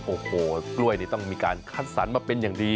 โอ้โหกล้วยนี่ต้องมีการคัดสรรมาเป็นอย่างดี